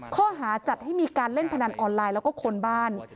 ข้อหาจัดให้มีการเล่นพนันออนไลน์แล้วก็คนบ้าน